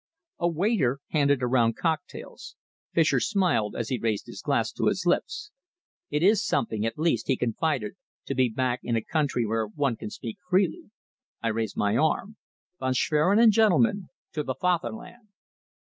A waiter handed around cocktails. Fischer smiled as he raised his glass to his lips. "It is something, at least," he confided, "to be back in a country where one can speak freely. I raise my arm. Von Schwerin and gentlemen 'To the Fatherland!'"